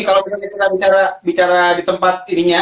kalau kita bicara di tempat ini ya